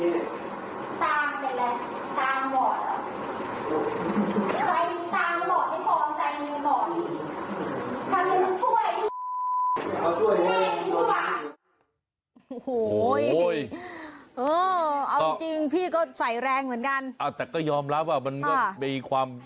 เอาจริงพี่ก็ใส่แรงเหมือนกัน